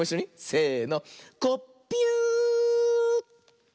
せの。